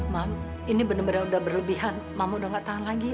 ma'am ini benar benar udah berlebihan ma'am udah nggak tahan lagi